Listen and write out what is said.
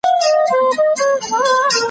له باران نه پاڅېد، تر ناوې لاندي کښېناست.